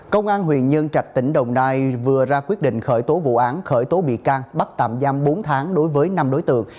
công an huyện nhân trạch tỉnh đồng nai vừa ra quyết định khởi tố vụ án khởi tố bị can bắt tạm giam bốn tháng đối với năm đối tượng